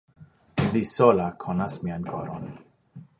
Vi sola konas mian koron.